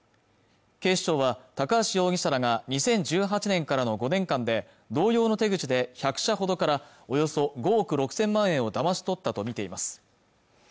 警視庁は高橋容疑者らが２０１８年からの５年間で同様の手口で１００社ほどからおよそ５億６０００万円をだまし取ったとみています